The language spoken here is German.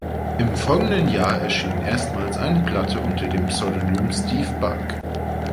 Im folgenden Jahr erschien erstmals eine Platte unter dem Pseudonym Steve Bug.